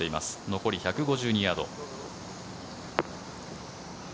残り１５２ヤード。